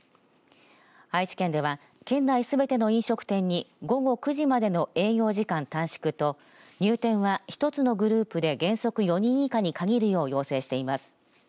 愛知県では県内すべての飲食店に午後９時までの営業時間短縮と入店は１つのグループで原則４人以下に限るよう要請しています。